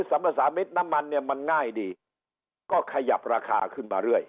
ภาษามิตรน้ำมันเนี่ยมันง่ายดีก็ขยับราคาขึ้นมาเรื่อย